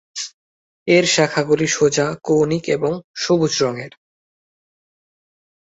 এর শাখাগুলি সোজা, কৌনিক এবং সবুজ রঙের।